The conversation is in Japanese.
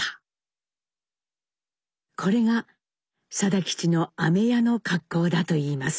これが定吉の飴屋の格好だといいます。